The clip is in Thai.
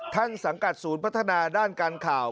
สังกัดศูนย์พัฒนาด้านการข่าว